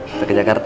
kita ke jakarta